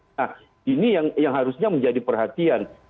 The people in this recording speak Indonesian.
nah ini yang harusnya menjadi perhatian